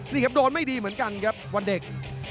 นี่ครับโดนไม่ดีเหมือนกันครับวันเด็ก